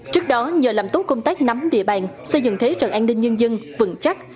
trước đó nhờ làm tốt công tác nắm địa bàn xây dựng thế trận an ninh nhân dân vững chắc